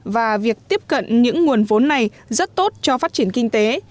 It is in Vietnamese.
và việc tiếp cận những nguồn vốn này rất tốt cho phát triển kinh tế